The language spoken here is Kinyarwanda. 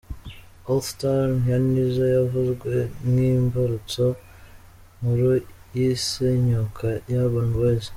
All star’ ya Nizzo yavuzwe nk’imbarutso nkuru y’isenyuka rya urban boyz.